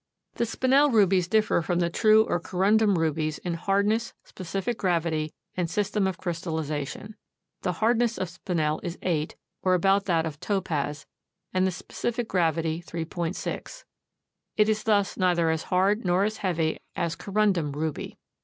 The Spinel rubies differ from the true or corundum rubies in hardness, specific gravity and system of crystallization. The hardness of Spinel is 8, or about that of topaz, and the specific gravity 3.6. It is thus neither as hard nor as heavy as corundum ruby.